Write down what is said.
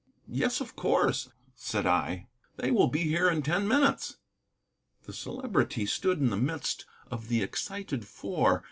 "Yes, of course," said I, "they will be here in ten minutes." The Celebrity stood in the midst of the excited Four.